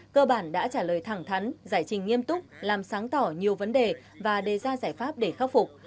cơ bản đã trả lời thẳng thắn giải trình nghiêm túc làm sáng tỏ nhiều vấn đề và đề ra giải pháp để khắc phục